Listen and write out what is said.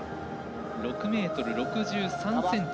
６ｍ６３ｃｍ